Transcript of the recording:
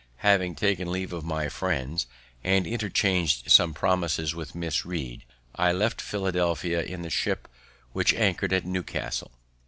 Having taken leave of my friends, and interchang'd some promises with Miss Read, I left Philadelphia in the ship, which anchor'd at Newcastle.